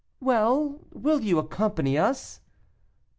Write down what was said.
"Well, will you accompany us?"